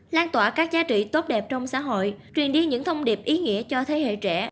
lan tỏa các giá trị tốt đẹp trong xã hội truyền đi những thông điệp ý nghĩa cho thế hệ trẻ